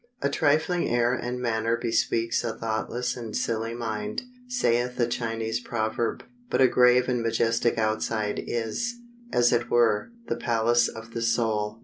"A trifling air and manner bespeaks a thoughtless and silly mind," saith a Chinese proverb, "but a grave and majestic outside is, as it were, the palace of the soul."